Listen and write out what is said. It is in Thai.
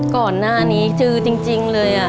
ก่อนหน้านี้เจอจริงเลย